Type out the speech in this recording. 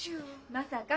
まさか。